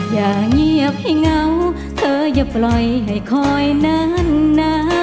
อย่าเงียบให้เหงาเธออย่าปล่อยให้คอยนานนะ